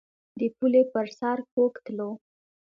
د پولې پر سر کوږ تلو.